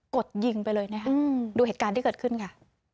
ดยิงไปเลยนะคะดูเหตุการณ์ที่เกิดขึ้นค่ะ